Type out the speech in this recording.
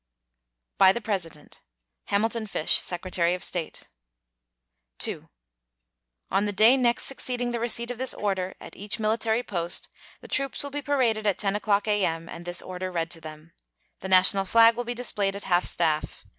By the President: HAMILTON FISH, Secretary of State. II. On the day next succeeding the receipt of this order at each military post the troops will be paraded at 10 o'clock a. m. and this order read to them. The national flag will be displayed at half staff.